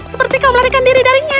seperti kau melarikan diri darinya